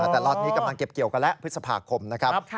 แต่รอบนี้กำลังเก็บเกี่ยวกันแล้วพฤษภาคมนะครับ